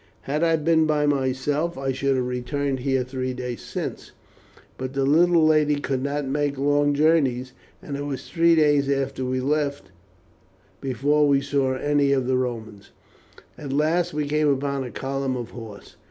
"Had I been by myself I should have returned here three days since, but the little lady could not make long journeys, and it was three days after we left before we saw any of the Romans. At last we came upon a column of horse.